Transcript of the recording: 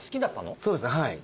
そうですねはい。